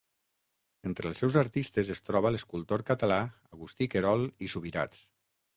Entre els seus artistes es troba l'escultor català Agustí Querol i Subirats.